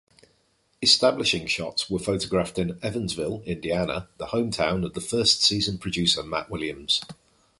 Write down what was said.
Establishing shots were photographed in Evansville, Indiana, the hometown of first-season producer Matt Williams.